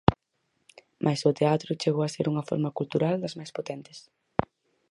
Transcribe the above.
Mais o teatro chegou a ser unha forma cultural das máis potentes.